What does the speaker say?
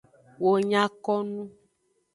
Wo nya ko nu.